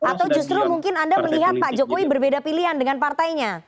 atau justru mungkin anda melihat pak jokowi berbeda pilihan dengan partainya